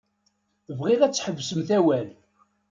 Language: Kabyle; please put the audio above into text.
Bɣiɣ ad tḥebsemt awal.